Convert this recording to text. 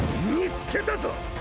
見つけたぞ！